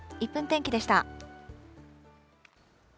１分天気でした。